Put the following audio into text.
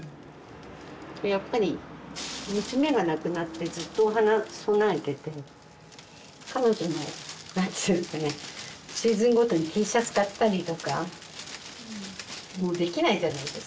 やっぱり娘が亡くなってずっとお花供えてて彼女の何ていうんですかねシーズンごとにＴシャツ買ったりとかもうできないじゃないですか。